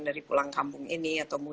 dari pulang kampung ini atau